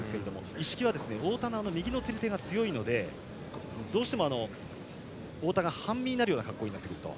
一色は太田の右の釣り手が強いのでどうしても太田が半身になる格好になると。